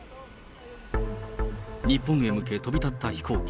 日本へ向け、飛び立った飛行機。